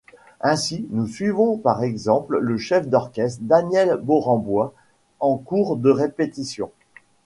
Ainsi, nous suivons par exemple le chef d'orchestre Daniel Barenboim en cours de répétition.